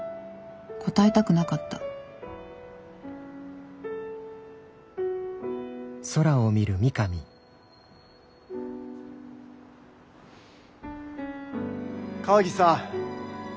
答えたくなかった川岸さん。